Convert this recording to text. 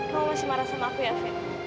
kamu masih marah sama aku ya fit